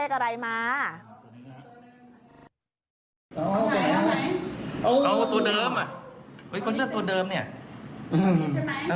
ใช่ออุเสร็จต้องเดิมเนี่ย